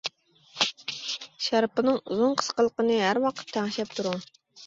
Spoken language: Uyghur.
شارپىنىڭ ئۇزۇن قىسقىلىقىنى ھەر ۋاقىت تەڭشەپ تۇرۇڭ.